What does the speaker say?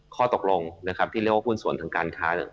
ข้อตกลงที่เรียกว่าหุ้นส่วนทางการค้า